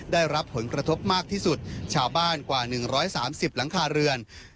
ได้รับผลกระทบมากที่สุดชาวบ้านกว่าหนึ่งร้อยสามสิบหลังคาเรือน